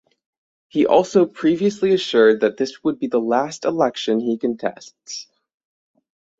He also previously assured that this would be the last election he contests.